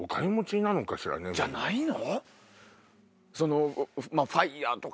じゃないの。